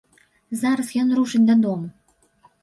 Зараз ён рушыць дадому!